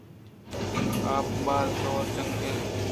آپ باز زور جَنگ ءَ اَت